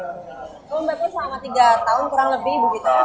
kalau mbak purni selama tiga tahun kurang lebih ibu gita